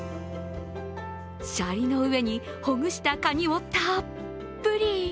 シャリの上にほぐしたかにをたっぷり。